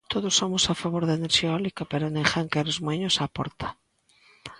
Todos somos a favor da enerxía eólica pero ninguén quere os muiños á porta